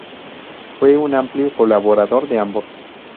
Fue un amplio colaborador de ambos.